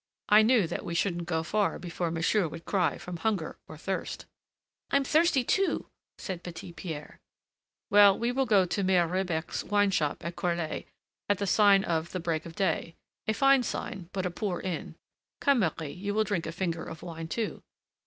"I knew that we shouldn't go far before monsieur would cry from hunger or thirst." "I'm thirsty, too!" said Petit Pierre. "Well, we will go to Mère Rebec's wine shop at Corlay, at the sign of the Break of Day. A fine sign, but a poor inn! Come, Marie, you will drink a finger of wine too."